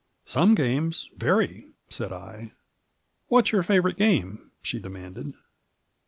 "Some games — ^very," said I. "What's your favorite game?'* she demanded.